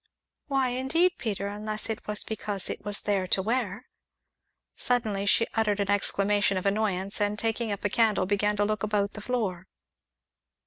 "Why, indeed, Peter, unless it was because it was there to wear." Suddenly she uttered an exclamation of annoyance, and, taking up a candle, began looking about the floor.